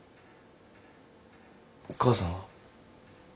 母さんは？